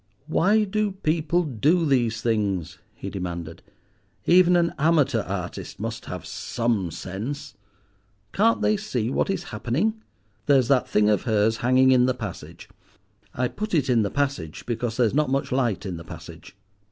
"Why do people do these things?" he demanded. "Even an amateur artist must have some sense. Can't they see what is happening? There's that thing of hers hanging in the passage. I put it in the passage because there's not much light in the passage.